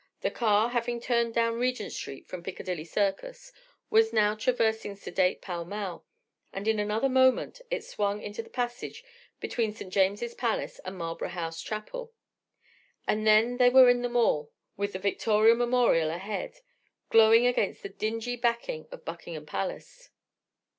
The car, having turned down Regent Street from Piccadilly Circus, was now traversing sedate Pall Mall; and in another moment it swung into the passage between St. James's Palace and Marlborough House Chapel; and then they were in The Mall, with the Victoria Memorial ahead, glowing against the dingy backing of Buckingham Palace.